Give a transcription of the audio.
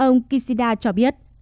ông kishida cho biết